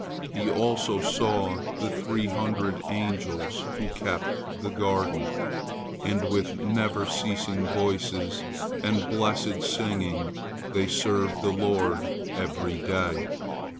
He also saw the three hundred angels who keep the garden, and with never ceasing voices and blessed singing they serve the Lord every day.